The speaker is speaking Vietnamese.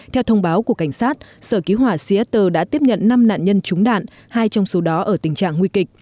theo thông báo của cảnh sát sở ký họa seatter đã tiếp nhận năm nạn nhân trúng đạn hai trong số đó ở tình trạng nguy kịch